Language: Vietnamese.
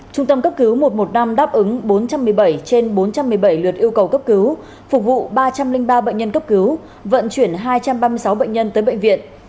trung tâm cấp cứu một trăm một mươi năm đáp ứng bốn trăm một mươi bảy trên bốn trăm một mươi bảy lượt yêu cầu cấp cứu phục vụ ba trăm linh ba bệnh nhân cấp cứu vận chuyển hai trăm ba mươi sáu bệnh nhân tới bệnh viện